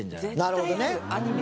なるほどね。